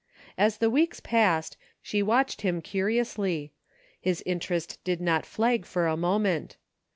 As the weeks passed, she watched him curiously ; his interest did not flag for a moment.